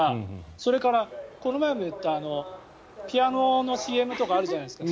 それから、この前も言ったピアノのＣＭとかあるじゃないですか。